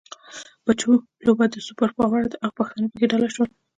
بچو! لوبه د سوپر پاور ده او پښتانه پکې دل شول.